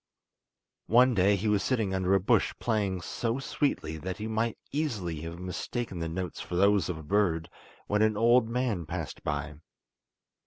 One day he was sitting under a bush playing so sweetly that you might easily have mistaken the notes for those of a bird, when an old man passed by.